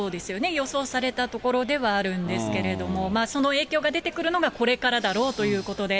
予想されたところではあるんですけれども、その影響が出てくるのがこれからだろうということで。